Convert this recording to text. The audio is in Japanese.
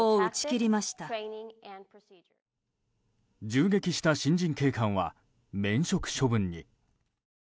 銃撃した新人警官は免職処分に。